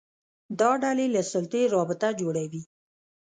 دا ډلې له سلطې رابطه جوړوي